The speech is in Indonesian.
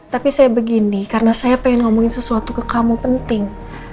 tapi saya begini karena saya pengen ngomongin sesuatu ke kamu penting